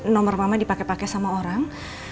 nomor mama dipake pake sama orang